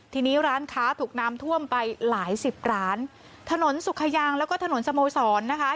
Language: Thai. ทีนี้ร้านค้าถูกน้ำท่วมไปหลายสิบร้านถนนสุขยางแล้วก็ถนนสโมสรนะคะ